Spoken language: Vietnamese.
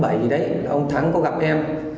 thì đấy ông thắng có gặp em